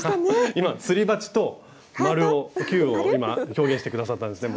今すり鉢と球を今表現して下さったんですね